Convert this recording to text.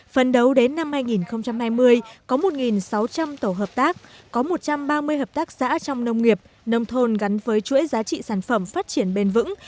phần đầu đến năm hai nghìn hai mươi có một sáu trăm linh tổ hợp tác có một trăm ba mươi hợp tác xã trong nông nghiệp nông thôn gắn với chuỗi giá trị sản phẩm phát triển bền vững